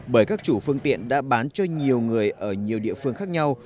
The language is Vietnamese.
bởi các chủ phương tiện đã bán cho nhiều người ở nhiều địa phương khác nhau